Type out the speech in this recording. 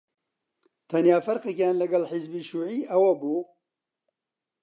تەنیا فەرقێکیان لەگەڵ حیزبی شیووعی ئەوە بوو: